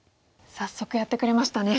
早速やってくれましたね。